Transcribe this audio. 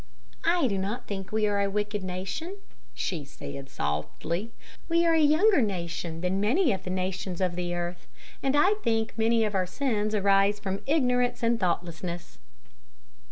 "I do not think we are a wicked nation," she said, softly. "We are a younger nation than many of the nations of the earth, and I think that many of our sins arise from ignorance and thoughtlessness."